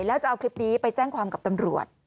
แล้วจะเอาคลิปนี้ไปแจ้งความกับตำรวจ